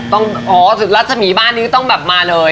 ต้องอ๋อส่วนเหรอรัชรรมีบ้านก็ต้องแบบมาเลย